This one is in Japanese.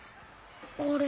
あれ？